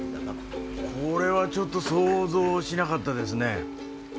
これはちょっと想像しなかったですね。